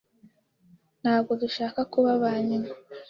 Ntabwo dushaka kuba aba nyuma.